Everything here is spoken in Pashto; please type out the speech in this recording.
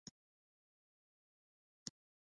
د ننګرهار په شیرزاد کې د تالک نښې شته.